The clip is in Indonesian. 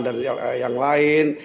dan yang lain